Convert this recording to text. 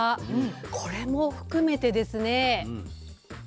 これも含めてですね